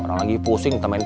orang lagi pusing temen pusing